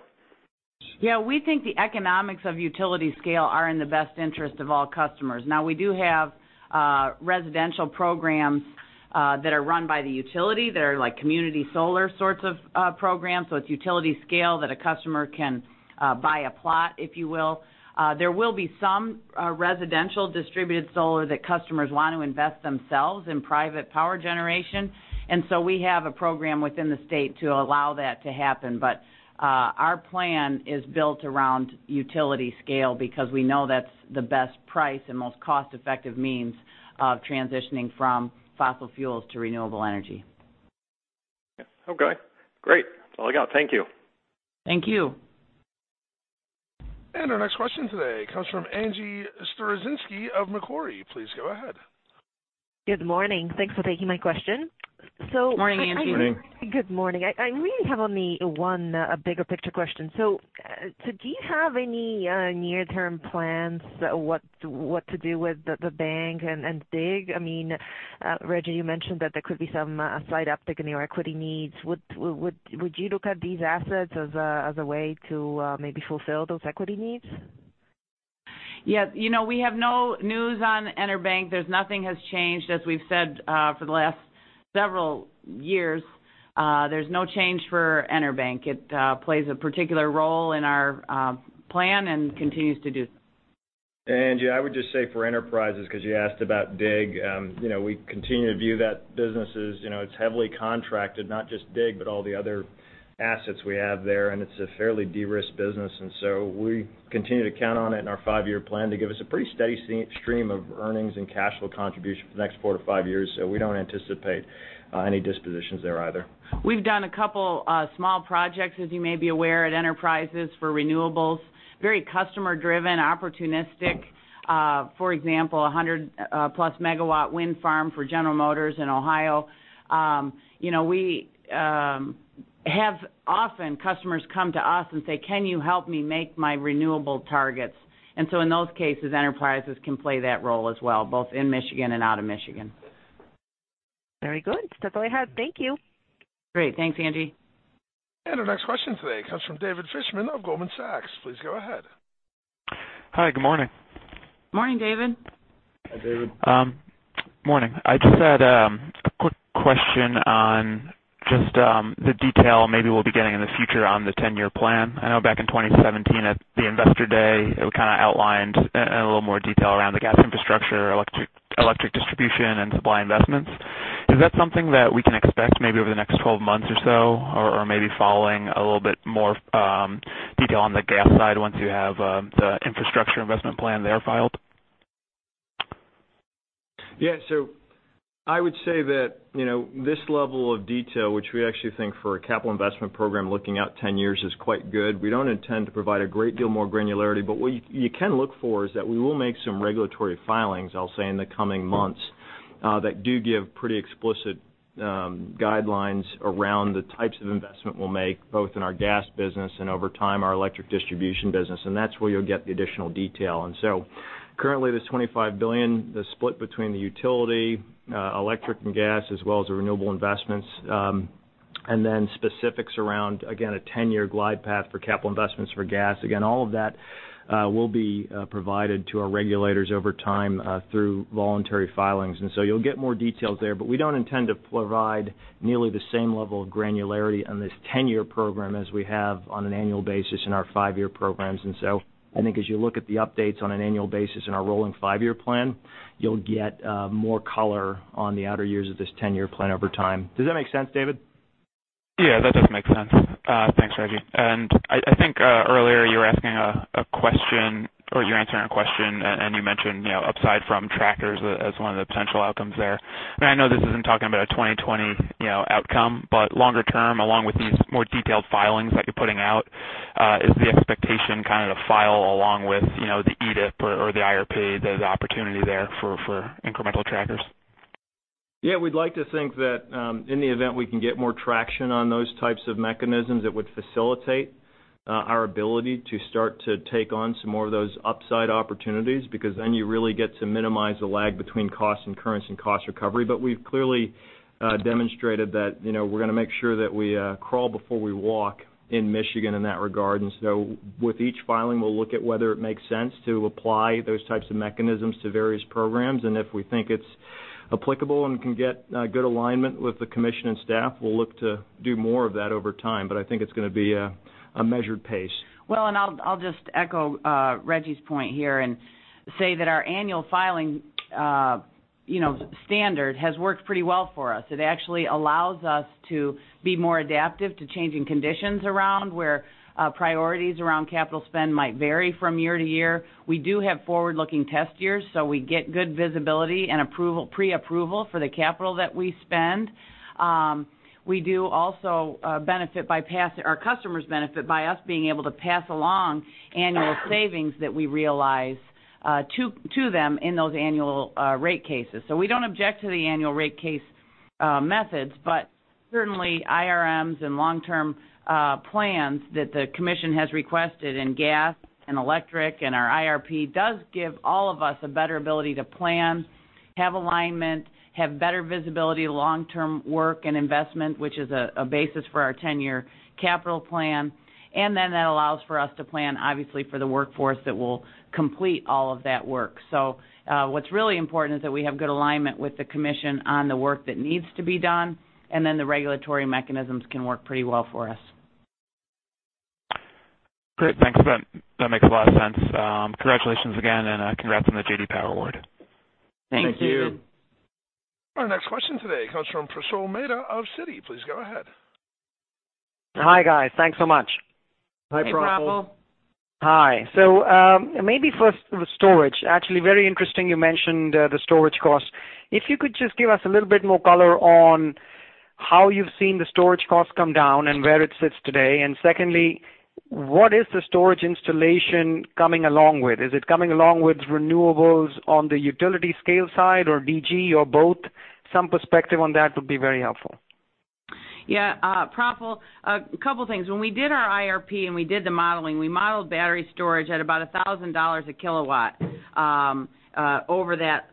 Yeah, we think the economics of utility scale are in the best interest of all customers. We do have residential programs that are run by the utility that are like community solar sorts of programs. It's utility scale that a customer can buy a plot, if you will. There will be some residential distributed solar that customers want to invest themselves in private power generation. We have a program within the state to allow that to happen. Our plan is built around utility scale because we know that's the best price and most cost-effective means of transitioning from fossil fuels to renewable energy. Okay, great. That's all I got. Thank you. Thank you. Our next question today comes from Angie Storozynski of Macquarie. Please go ahead. Good morning. Thanks for taking my question. Good morning, Angie. Morning. Good morning. I really have only one bigger picture question. Do you have any near-term plans what to do with the bank and DIG? I mean, Rejji, you mentioned that there could be some slight uptick in your equity needs. Would you look at these assets as a way to maybe fulfill those equity needs? Yes. We have no news on EnerBank. Nothing has changed. As we've said for the last several years, there's no change for EnerBank. It plays a particular role in our plan and continues to do so. Angie, I would just say for Enterprises, because you asked about DIG. We continue to view that business as it's heavily contracted, not just DIG, but all the other assets we have there, and it's a fairly de-risked business. We continue to count on it in our five-year plan to give us a pretty steady stream of earnings and cash flow contribution for the next four to five years. We don't anticipate any dispositions there either. We've done a couple small projects, as you may be aware, at Enterprises for renewables, very customer-driven, opportunistic. For example, 100-plus MW wind farm for General Motors in Ohio. We have often customers come to us and say, "Can you help me make my renewable targets?" In those cases, Enterprises can play that role as well, both in Michigan and out of Michigan. Very good. That's all I have. Thank you. Great. Thanks, Angie. Our next question today comes from David Fishman of Goldman Sachs. Please go ahead. Hi. Good morning. Morning, David. Hi, David. Morning. I just had a quick question on just the detail maybe we'll be getting in the future on the 10-year plan. I know back in 2017 at the Investor Day, it kind of outlined in a little more detail around the gas infrastructure, electric distribution, and supply investments. Is that something that we can expect maybe over the next 12 months or so? Maybe following a little bit more detail on the gas side once you have the infrastructure investment plan there filed? I would say that this level of detail, which we actually think for a capital investment program looking out 10 years is quite good. We don't intend to provide a great deal more granularity, but what you can look for is that we will make some regulatory filings, I'll say, in the coming months that do give pretty explicit guidelines around the types of investment we'll make, both in our gas business and over time, our electric distribution business, and that's where you'll get the additional detail. Currently, there's $25 billion split between the utility, electric and gas, as well as the renewable investments. Then specifics around, again, a 10-year glide path for capital investments for gas. Again, all of that will be provided to our regulators over time through voluntary filings. You'll get more details there, but we don't intend to provide nearly the same level of granularity on this 10-year program as we have on an annual basis in our five-year programs. I think as you look at the updates on an annual basis in our rolling five-year plan, you'll get more color on the outer years of this 10-year plan over time. Does that make sense, David? Yeah, that does make sense. Thanks, Rejji. I think earlier you were asking a question or you were answering a question, and you mentioned upside from trackers as one of the potential outcomes there. I know this isn't talking about a 2020 outcome, but longer term, along with these more detailed filings that you're putting out, is the expectation kind of to file along with the EDIF or the IRP, the opportunity there for incremental trackers? We'd like to think that in the event we can get more traction on those types of mechanisms, it would facilitate our ability to start to take on some more of those upside opportunities, because then you really get to minimize the lag between cost incurrence and cost recovery. We've clearly demonstrated that we're going to make sure that we crawl before we walk in Michigan in that regard. With each filing, we'll look at whether it makes sense to apply those types of mechanisms to various programs. If we think it's applicable and can get good alignment with the commission and staff, we'll look to do more of that over time. I think it's going to be a measured pace. I'll just echo Rejji's point here and say that our annual filing standard has worked pretty well for us. It actually allows us to be more adaptive to changing conditions around where priorities around capital spend might vary from year to year. We do have forward-looking test years, we get good visibility and pre-approval for the capital that we spend. We do also benefit. Our customers benefit by us being able to pass along annual savings that we realize to them in those annual rate cases. We don't object to the annual rate case methods, but certainly IRMs and long-term plans that the commission has requested in gas and electric and our IRP does give all of us a better ability to plan, have alignment, have better visibility to long-term work and investment, which is a basis for our 10-year capital plan. That allows for us to plan, obviously, for the workforce that will complete all of that work. What's really important is that we have good alignment with the Commission on the work that needs to be done, and then the regulatory mechanisms can work pretty well for us. Great. Thanks. That makes a lot of sense. Congratulations again, and congrats on the J.D. Power Award. Thank you. Thank you. Our next question today comes from Praful Mehta of Citi. Please go ahead. Hi, guys. Thanks so much. Hi, Praful. Hey, Praful. Hi. Maybe first with storage. Actually, very interesting you mentioned the storage cost. If you could just give us a little bit more color on how you've seen the storage cost come down and where it sits today. Secondly, what is the storage installation coming along with? Is it coming along with renewables on the utility scale side or DG or both? Some perspective on that would be very helpful. Yeah, Praful, a couple of things. When we did our IRP and we did the modeling, we modeled battery storage at about $1,000 a kilowatt. Over that,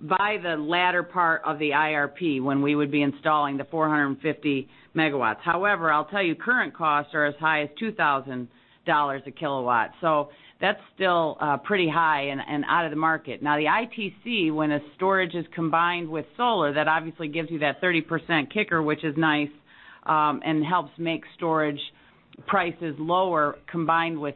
by the latter part of the IRP, when we would be installing the 450 megawatts. I'll tell you, current costs are as high as $2,000 a kilowatt. That's still pretty high and out of the market. The ITC, when a storage is combined with solar, that obviously gives you that 30% kicker, which is nice, and helps make storage prices lower combined with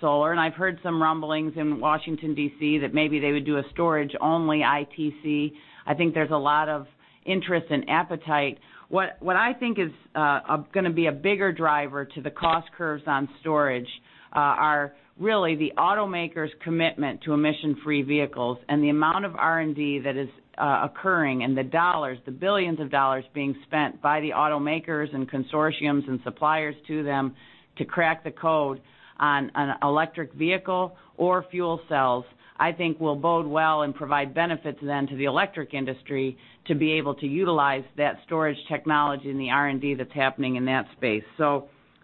solar. I've heard some rumblings in Washington, D.C., that maybe they would do a storage-only ITC. I think there's a lot of interest and appetite. What I think is going to be a bigger driver to the cost curves on storage are really the automakers' commitment to emission-free vehicles and the amount of R&D that is occurring, and the dollars, the billions of dollars being spent by the automakers and consortiums and suppliers to them to crack the code on an electric vehicle or fuel cells, I think will bode well and provide benefits then to the electric industry to be able to utilize that storage technology and the R&D that's happening in that space.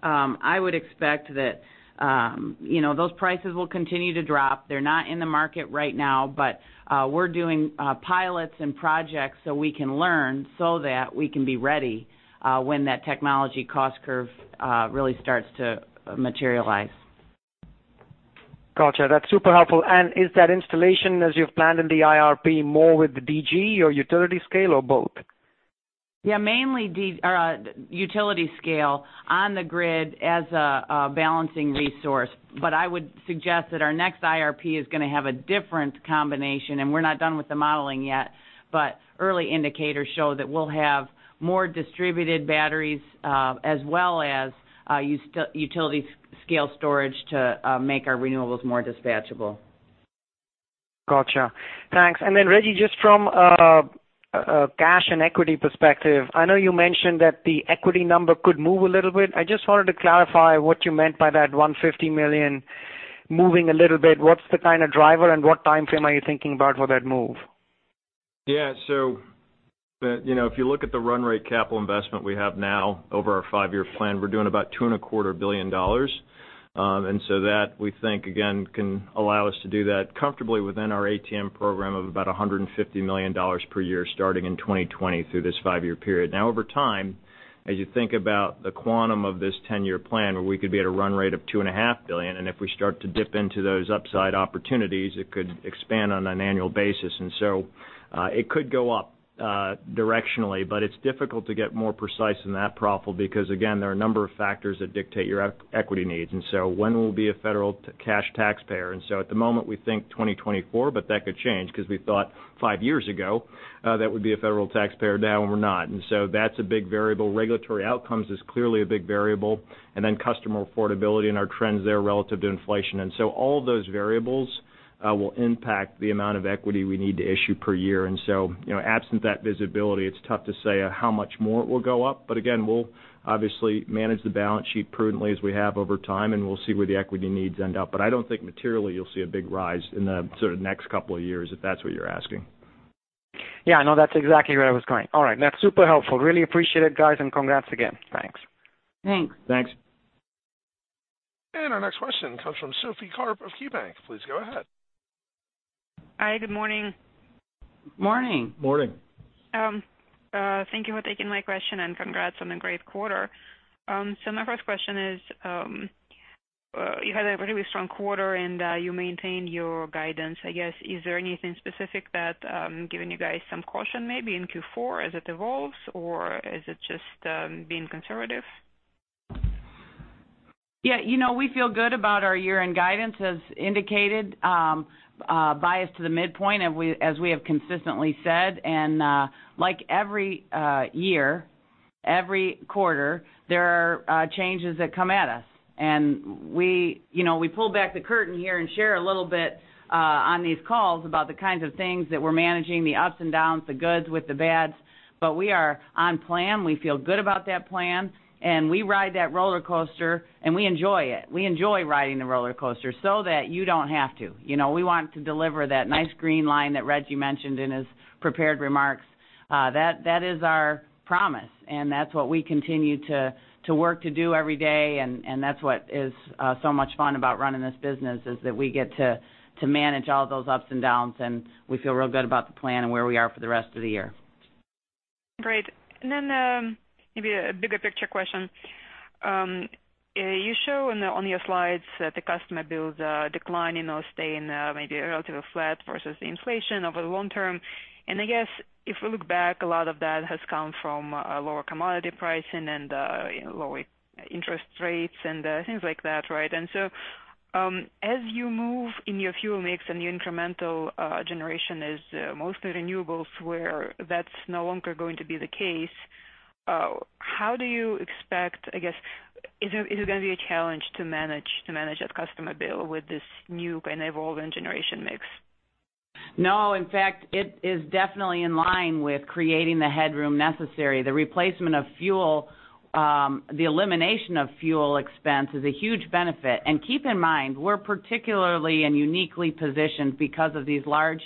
I would expect that those prices will continue to drop. They're not in the market right now, but we're doing pilots and projects so we can learn so that we can be ready when that technology cost curve really starts to materialize. Got you. That is super helpful. Is that installation, as you have planned in the IRP, more with the DG or utility scale or both? Yeah, mainly utility scale on the grid as a balancing resource. I would suggest that our next IRP is going to have a different combination, and we're not done with the modeling yet, but early indicators show that we'll have more distributed batteries, as well as utility scale storage to make our renewables more dispatchable. Got you. Thanks. Rejji, just from a cash and equity perspective, I know you mentioned that the equity number could move a little bit. I just wanted to clarify what you meant by that $150 million moving a little bit. What's the kind of driver and what timeframe are you thinking about for that move? If you look at the run rate capital investment we have now over our five-year plan, we're doing about $2.25 billion. That, we think, again, can allow us to do that comfortably within our ATM program of about $150 million per year, starting in 2020 through this five-year period. Now, over time, as you think about the quantum of this 10-year plan, where we could be at a run rate of $2.5 billion, and if we start to dip into those upside opportunities, it could expand on an annual basis. It could go up directionally, but it's difficult to get more precise than that, Praful, because again, there are a number of factors that dictate your equity needs. When will we be a federal cash taxpayer? At the moment, we think 2024, but that could change because we thought five years ago that we'd be a federal taxpayer. Now we're not. That's a big variable. Regulatory outcomes is clearly a big variable. Then customer affordability and our trends there relative to inflation. All of those variables will impact the amount of equity we need to issue per year. Absent that visibility, it's tough to say how much more it will go up. Again, we'll obviously manage the balance sheet prudently as we have over time, and we'll see where the equity needs end up. I don't think materially you'll see a big rise in the sort of next couple of years, if that's what you're asking. Yeah, no, that's exactly where I was going. All right. That's super helpful. Really appreciate it, guys, and congrats again. Thanks. Thanks. Thanks. Our next question comes from Sophie Karp of KeyBanc. Please go ahead. Hi. Good morning. Morning. Morning. Thank you for taking my question, and congrats on a great quarter. My first question is, you had a really strong quarter, and you maintained your guidance. I guess, is there anything specific that giving you guys some caution maybe in Q4 as it evolves, or is it just being conservative? Yeah, we feel good about our year-end guidance as indicated, biased to the midpoint as we have consistently said. Like every year, every quarter, there are changes that come at us. We pull back the curtain here and share a little bit on these calls about the kinds of things that we're managing, the ups and downs, the goods with the bads. We are on plan. We feel good about that plan. We ride that roller coaster, and we enjoy it. We enjoy riding the roller coaster so that you don't have to. We want to deliver that nice green line that Rejji mentioned in his prepared remarks. That is our promise, and that's what we continue to work to do every day. That's what is so much fun about running this business, is that we get to manage all those ups and downs, and we feel real good about the plan and where we are for the rest of the year. Great. Maybe a bigger picture question. You show on your slides that the customer bills declining or staying maybe relatively flat versus the inflation over the long term. I guess if we look back, a lot of that has come from lower commodity pricing and lower interest rates and things like that, right? As you move in your fuel mix and your incremental generation is mostly renewables, where that's no longer going to be the case, how do you expect, I guess, is it going to be a challenge to manage that customer bill with this new kind of evolving generation mix? No. In fact, it is definitely in line with creating the headroom necessary. The replacement of fuel, the elimination of fuel expense is a huge benefit. Keep in mind, we're particularly and uniquely positioned because of these large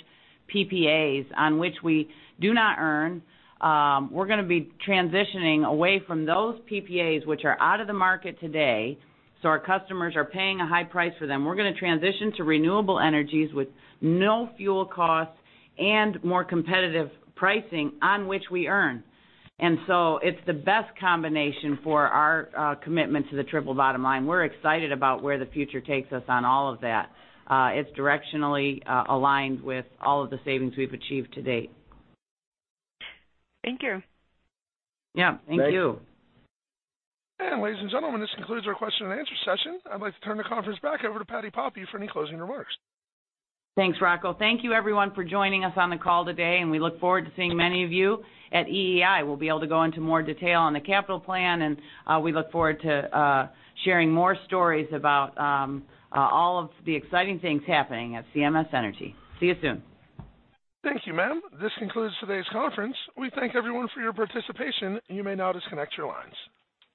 PPAs on which we do not earn. We're going to be transitioning away from those PPAs, which are out of the market today. Our customers are paying a high price for them. We're going to transition to renewable energies with no fuel cost and more competitive pricing on which we earn. It's the best combination for our commitment to the triple bottom line. We're excited about where the future takes us on all of that. It's directionally aligned with all of the savings we've achieved to date. Thank you. Yeah. Thank you. Thanks. Ladies and gentlemen, this concludes our question and answer session. I'd like to turn the conference back over to Patti Poppe for any closing remarks. Thanks, Rocco. Thank you everyone for joining us on the call today. We look forward to seeing many of you at EEI. We'll be able to go into more detail on the capital plan. We look forward to sharing more stories about all of the exciting things happening at CMS Energy. See you soon. Thank you, ma'am. This concludes today's conference. We thank everyone for your participation. You may now disconnect your lines.